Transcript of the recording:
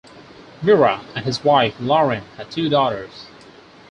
Mirra and his wife, Lauren, had two daughters.